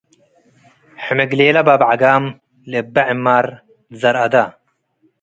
ሕምግሌለ ባብ ዐጋም - ለእበ ዕማር ትዘርአደ